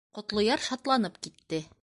Ҡотлояр шатланып китте.